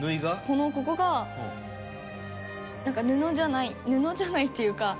このここがなんか布じゃない布じゃないっていうか。